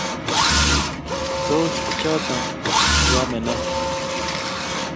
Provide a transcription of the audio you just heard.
tos bik choto koame ne?